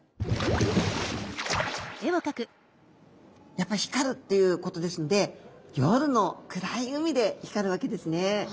やっぱ光るっていうことですので夜の暗い海で光るわけですね。